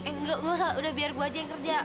eh nggak usah udah biar gue aja yang kerja